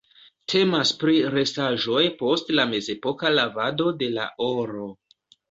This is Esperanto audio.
Temas pri restaĵoj post la mezepoka lavado de la oro.